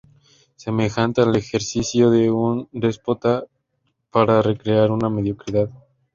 semejante al ejercicio de un déspota para recrear una mediocridad